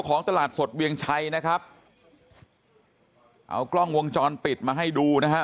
ตลาดสดเวียงชัยนะครับเอากล้องวงจรปิดมาให้ดูนะฮะ